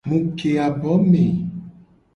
Mu ke abo me.